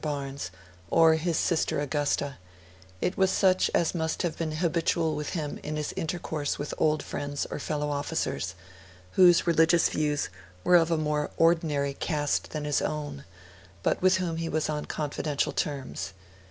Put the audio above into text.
Barnes or his sister Augusta; it was such as must have been habitual with him in his intercourse with old friends or fellow officers, whose religious views were of a more ordinary caste than his own, but with whom he was on confidential terms.